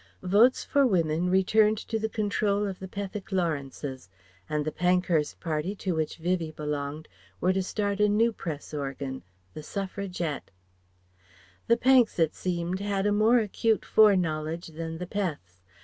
Votes for Women returned to the control of the Pethick Lawrences, and the Pankhurst party to which Vivie belonged were to start a new press organ, The Suffragette. The Panks, it seemed, had a more acute fore knowledge than the Peths.